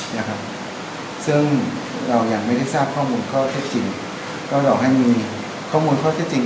แนะครับซึ่งเราอย่างไม่ได้ทราบข้อมูลข้อเท็จจริง